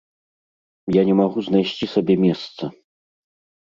Я не магу знайсці сабе месца.